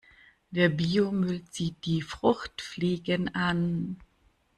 Der Biomüll zieht die Fruchtfliegen an.